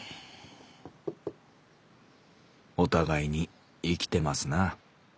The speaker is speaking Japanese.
「おたがいに生きてますな。